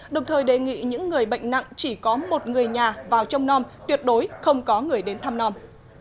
đồng thời đề nghị những người bệnh nặng chỉ có một người nhà vào trong non tuyệt đối không có người đến thăm non